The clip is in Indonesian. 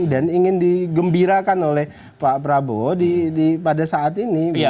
ingin digembirakan oleh pak prabowo pada saat ini